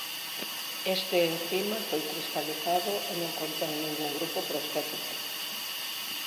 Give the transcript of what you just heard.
Este encima foi cristalizado e non contén ningún grupo prostético.